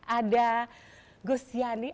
ada gus yanni